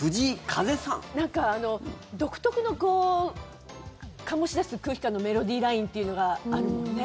なんか独特の醸し出す空気感のメロディーラインっていうのがあるのよね。